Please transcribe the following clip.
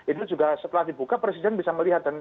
itu juga setelah dibuka presiden bisa melihat